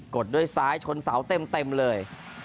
ดด้วยซ้ายชนเสาเต็มเลย